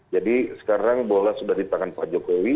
jadi sekarang bola sudah di tangan pak jokowi